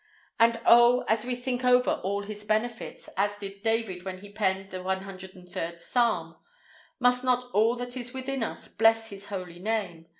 "'And oh! as we think over all His benefits, as did David when he penned the 103d Psalm, must not all that is within us bless His holy name?